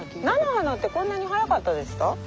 菜の花ってこんなに早かったでした？